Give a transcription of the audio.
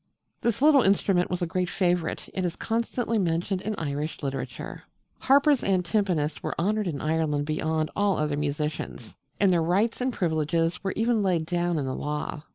This little instrument was a great favourite, and is constantly mentioned in Irish literature. Harpers and timpanists were honoured in Ireland beyond all other musicians; and their rights and privileges were even laid down in the law.